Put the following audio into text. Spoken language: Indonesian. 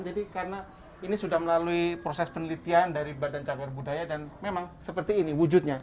jadi karena ini sudah melalui proses penelitian dari badan cakar budaya dan memang seperti ini wujudnya